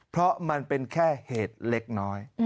เพราะมันเป็นแค่เหตุเล็กน้อย